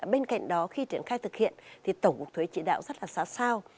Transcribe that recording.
bên cạnh đó khi triển khai thực hiện tổng cục thuế chỉ đạo rất xa xao